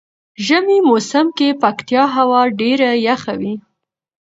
ژمی موسم کې پکتيا هوا ډیره یخه وی.